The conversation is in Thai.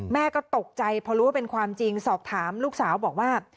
แม่ก็ตกใจพอรู้ว่าเป็นความจริงสอบถามลูกสาวบอกว่า